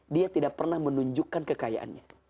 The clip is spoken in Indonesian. dia tidak pernah menunjukkan kekayaannya